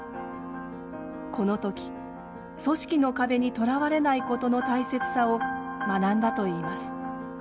この時組織の壁にとらわれないことの大切さを学んだといいます。